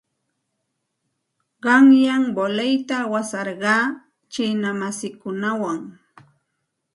Qanyan voleyta awasarqaa chiina masiikunawan.